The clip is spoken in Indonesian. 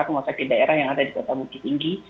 rumah sakit daerah yang ada di kota bukit tinggi